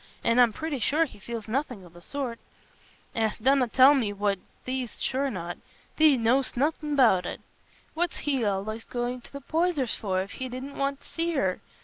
And I'm pretty sure he feels nothing o' the sort." "Eh, donna tell me what thee't sure on; thee know'st nought about it. What's he allays goin' to the Poysers' for, if he didna want t' see her?